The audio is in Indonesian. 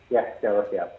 ya sudah siap